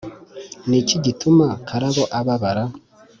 ni iki gituma karabo ababara?